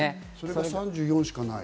それが３４しかない。